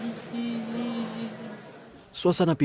itu sangat baik